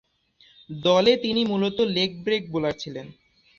দলে তিনি মূলতঃ লেগ ব্রেক বোলার ছিলেন।